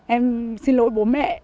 em xin lỗi bố mẹ